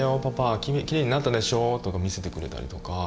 きれいになったでしょ」とか見せてくれたりとか。